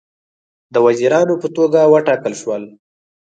د وزیرانو په توګه وټاکل شول.